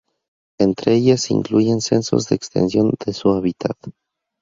Entre ellas se incluyen censos de extensión de su hábitat.